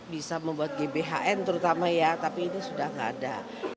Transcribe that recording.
bisa membuat ketetapan bisa membuat gbhn terutama ya tapi ini sudah gak ada